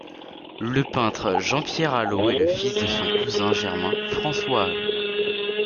Le peintre Jean-Pierre Alaux est le fils de son cousin germain François Alaux.